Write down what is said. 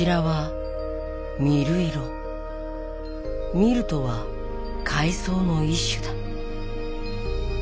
海松とは海藻の一種だ。